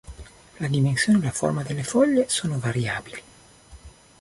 La dimensione e la forma delle foglie sono variabili.